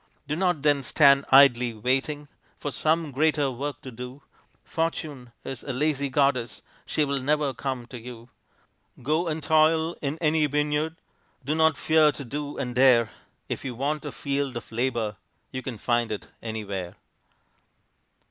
Do not then stand idly waiting For some greater work to do; Fortune is a lazy goddess, She will never come to you; Go and toil in any vineyard, Do not fear to do and dare. If you want a field of labor You can find it anywhere.